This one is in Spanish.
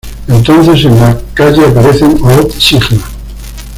Entonces, en la calle aparece Ood Sigma.